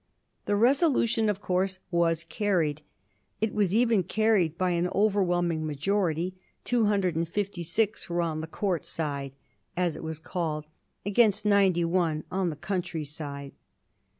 The resolution, of course, was carried. It was even carried by an overwhelming majority ; 256 were on the ^ court side,' as it was called, against 91 on the ^ coimtry side.'